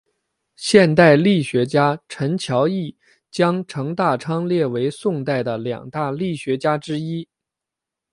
现代郦学家陈桥驿将程大昌列为宋代的两大郦学家之一。